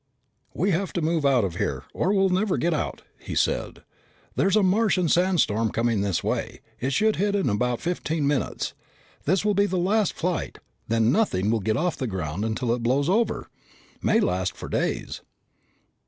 "We have to move out of here or we'll never get out," he said. "There's a Martian sandstorm coming this way. It should hit in about fifteen minutes. This will be the last flight. Then nothing will get off the ground until it blows over. May last for days."